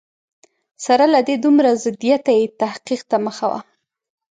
سره له دې دومره ضدیته یې تحقیق ته مخه وه.